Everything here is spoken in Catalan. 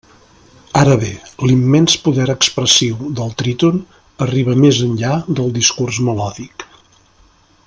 Ara bé: l'immens poder expressiu del tríton arriba més enllà del discurs melòdic.